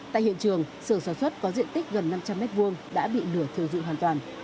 tại hiện trường sưởng sản xuất có diện tích gần năm trăm linh m hai đã bị lửa thiêu dụi hoàn toàn